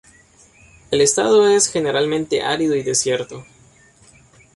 El estado es generalmente árido y desierto.